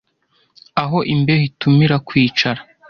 aho imbeho itumira kwicara